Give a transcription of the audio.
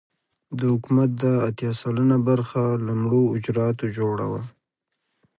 د حکومت دا اتيا سلنه برخه له مړو حجراتو جوړه وه.